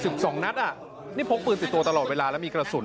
สองนัดอ่ะนี่พกปืนติดตัวตลอดเวลาแล้วมีกระสุน